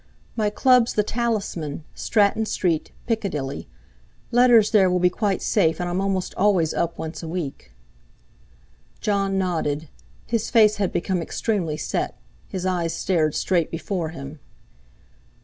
"My Club's the 'Talisman,' Stratton Street, Piccadilly. Letters there will be quite safe, and I'm almost always up once a week." Jon nodded. His face had become extremely set, his eyes stared straight before him.